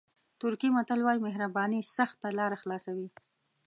ترکي متل وایي مهرباني سخته لاره خلاصوي.